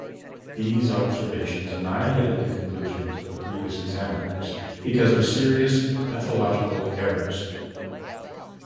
These observations annihilated the conclusions of the previous examiners because of "serious methodological errors".